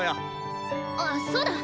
あそうだ！